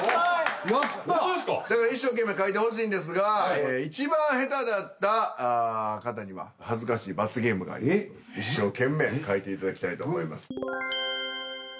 だから一生懸命描いてほしいんですが一番下手だった方には恥ずかしい罰ゲームがありますので一生懸命描いていただきたいと思います。